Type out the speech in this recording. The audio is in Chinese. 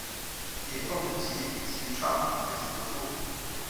尹奉吉提倡女子读书。